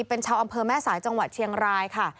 เป็นชาวอำเภอแม่สายจังหวัดเชียงรายค่ะ